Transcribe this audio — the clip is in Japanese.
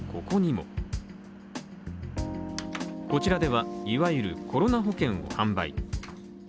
こちらでは、いわゆるコロナ保険を販売。